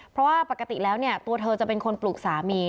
เพราะว่าปกติแล้วเนี่ยตัวเธอจะเป็นคนปลูกสามี